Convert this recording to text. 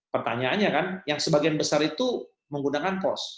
pertanyaannya kan yang sebagian besar itu menggunakan pos